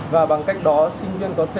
và bằng cách đó sinh viên có thể